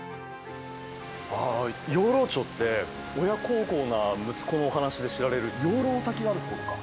ああ養老町って親孝行な息子のお話で知られる養老の滝があるところか。